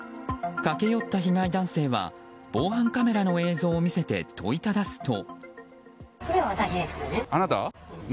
駆け寄った被害男性は防犯カメラの映像を見せて問いただすと。